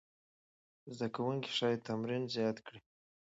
زده کوونکي ښايي تمرین زیات کړي.